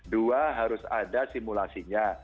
dua harus ada simulasinya